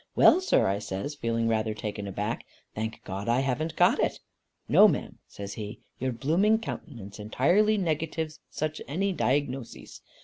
'Well sir,' I says, feeling rather taken aback, 'thank God I haven't got it.' 'No, ma'am,' says he, 'your blooming countenance entirely negatives any such dyingnoses.